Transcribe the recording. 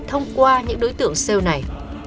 thông qua những đối tượng sale này